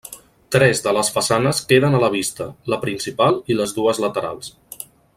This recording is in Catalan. Tres de les façanes queden a la vista, la principal i les dues laterals.